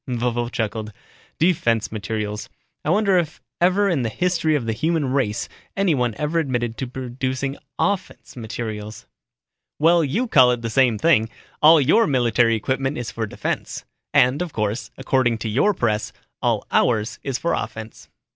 Vovo chuckled, "Defense materials. I wonder if ever in the history of the human race anyone ever admitted to producing offense materials." "Well, you call it the same thing. All your military equipment is for defense. And, of course, according to your press, all ours is for offense."